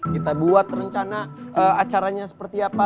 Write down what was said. kita buat rencana acaranya seperti apa